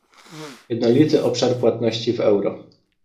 Jednolity obszar płatności w euro